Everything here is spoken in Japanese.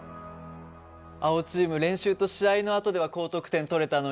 青チーム練習と試合のあとでは高得点取れたのに。